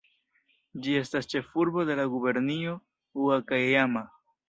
Ĝi estas ĉefurbo de la gubernio Ŭakajama.